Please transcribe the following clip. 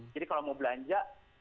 jadi kalau mau belanja